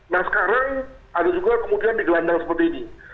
nah sekarang ada juga kemudian digelandang seperti ini